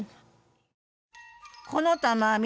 この玉編み。